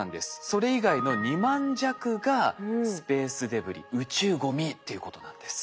それ以外の２万弱がスペースデブリ宇宙ゴミっていうことなんです。